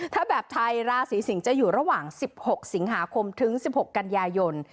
ถ้าแบบไทยราศีสิงศ์จะอยู่ระหว่าง๑๖สิงหาคมถึง๑๖กันยายน